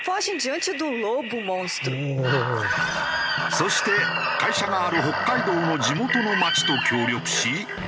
そして会社がある北海道の地元の町と協力し。